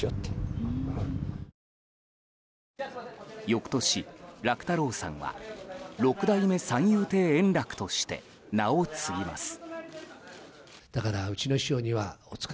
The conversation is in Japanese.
翌年、楽太郎さんは六代目三遊亭円楽として名を継ぎます。